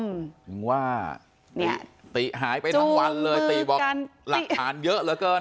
ถึงว่าเนี่ยติหายไปทั้งวันเลยติบอกหลักฐานเยอะเหลือเกิน